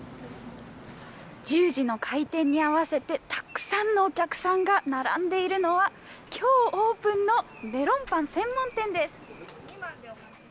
１０時の開店に合わせてたくさんのお客さんが並んでいるのは今日、オープンのメロンパン専門店です。